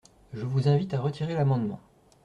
Je vous invite à retirer l’amendement.